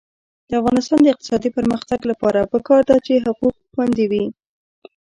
د افغانستان د اقتصادي پرمختګ لپاره پکار ده چې حقوق خوندي وي.